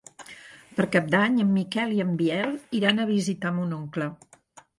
Per Cap d'Any en Miquel i en Biel iran a visitar mon oncle.